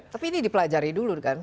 tapi ini dipelajari dulu kan